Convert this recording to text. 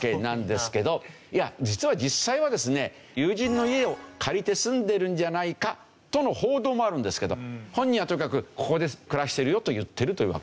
いや実は実際はですね友人の家を借りて住んでるんじゃないかとの報道もあるんですけど本人はとにかくここで暮らしてるよと言ってるというわけですね。